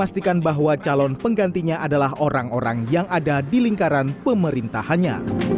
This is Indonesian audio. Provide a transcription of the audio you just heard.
dan penggantinya adalah orang orang yang ada di lingkaran pemerintahannya